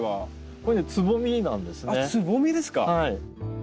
あっつぼみですか。